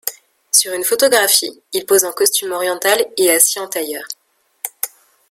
Sur une photographie, il pose en costume oriental et assis en tailleur.